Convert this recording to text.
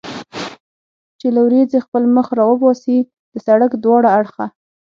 چې له ورېځې خپل مخ را وباسي، د سړک دواړه اړخه.